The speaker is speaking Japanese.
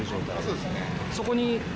そうですね。